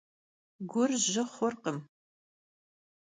Gur jı xhurkhım.